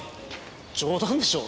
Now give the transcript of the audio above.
冗談でしょう。